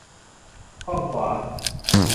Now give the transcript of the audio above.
ห้องขวา